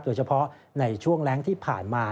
โดยเฉพาะในช่วงแรงที่ผ่านมา